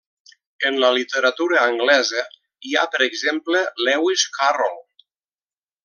En la literatura anglesa, hi ha, per exemple, Lewis Carroll.